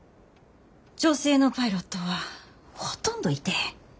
女性のパイロットはほとんどいてへん。